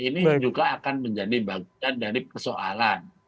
ini juga akan menjadi bagian dari persoalan